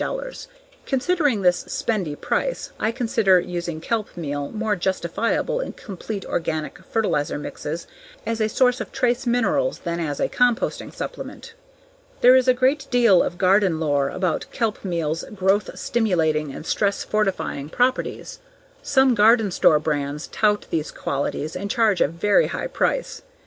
Considering this spendy price, I consider using kelp meal more justifiable in complete organic fertilizer mixes as a source of trace minerals than as a composting supplement. There is a great deal of garden lore about kelp meal's growth stimulating and stress fortifying properties. Some garden store brands tout these qualities and charge a very high price.